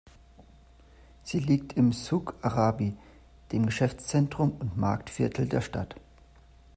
Sie liegt im "Suq Arabi", dem Geschäftszentrum und Marktviertel der Stadt.